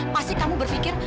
pasti kamu berpikir